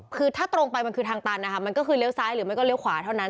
คือถ้าตรงไปมันคือทางตันนะคะมันก็คือเลี้ยซ้ายหรือไม่ก็เลี้ยขวาเท่านั้น